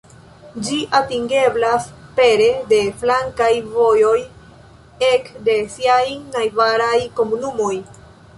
Ĝi atingeblas pere de flankaj vojoj ek de siajn najbaraj komunumoj.